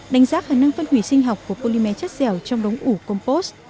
đánh giá khả năng phân hủy sinh học của polymer chất dẻo trong đống ủ compost